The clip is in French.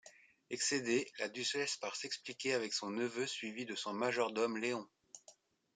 Excédée la duchesse part s'expliquer avec son neveu suivi de son majordome Léon.